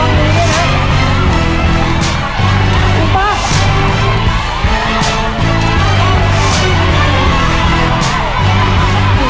เรารู้ว่าเขาตอบถ้าไม่แผ่งมือกัน